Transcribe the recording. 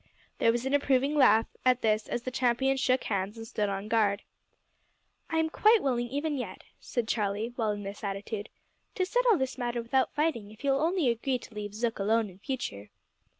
There was an approving laugh at this as the champions shook hands and stood on guard. "I am quite willing even yet," said Charlie, while in this attitude, "to settle this matter without fighting if you'll only agree to leave Zook alone in future."